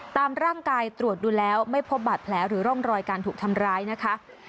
ตามร่างกายตรวจดูแล้วไม่พบบาดแผลหรือร่องรอยการถูกทำร้ายนะคะ